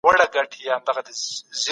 میز څېړنه د دقیقو ارقامو لپاره ده.